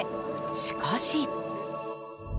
しかし。